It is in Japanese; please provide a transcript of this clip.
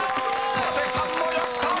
［小手さんもやった！］